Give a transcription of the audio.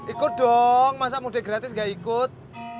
ikut dong masa mudik gratis gak ikut